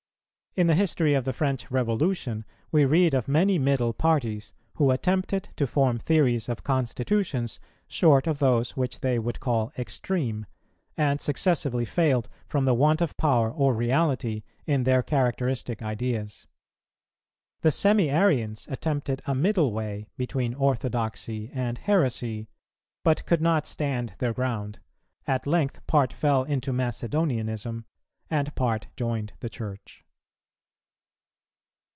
In the history of the French Revolution we read of many middle parties, who attempted to form theories of constitutions short of those which they would call extreme, and successively failed from the want of power or reality in their characteristic ideas. The Semi arians attempted a middle way between orthodoxy and heresy, but could not stand their ground; at length part fell into Macedonianism, and part joined the Church.